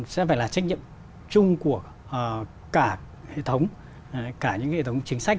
sẽ phải là trách nhiệm chung của cả hệ thống cả những hệ thống chính sách